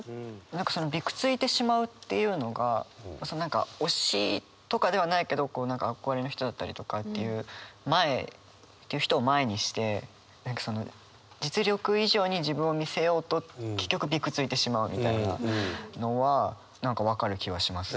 何かその「びくついてしまう」っていうのが何か推しとかではないけど憧れの人だったりとかっていう人を前にして何か実力以上に自分を見せようと結局びくついてしまうみたいなのは何か分かる気はします。